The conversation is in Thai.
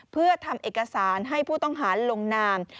เพื่อทำเอกสารให้ผู้ต้องหาลงนาม